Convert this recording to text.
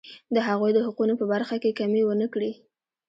د هغوی د حقونو په برخه کې کمی ونه کړي.